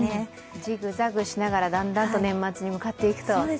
ジクザグしながら、だんだんと年末に向かっていくと。